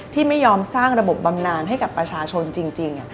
ที่ไม่ยอมสร้างระบบบำนานให้กับประชาชนจริง